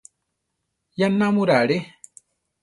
Ya námura are!